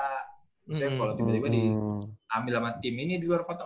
misalnya kalau tiba tiba diambil sama tim ini di luar kota